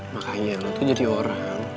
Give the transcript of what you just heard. makanya lo tuh jadi orang